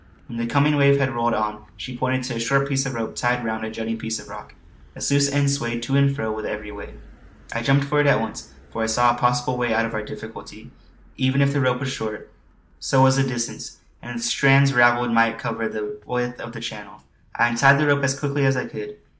When the coming wave had rolled on she pointed to a short piece of rope tied round a jutting piece of rock; its loose end swayed to and fro with every wave. I jumped for it at once, for I saw a possible way out of our difficulty; even if the rope were short, so was the distance, and its strands ravelled might cover the width of the channel. I untied the rope as quickly as I could.